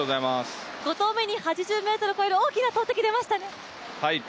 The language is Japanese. ５投目に８０ｍを越える大きな投てき出ましたね。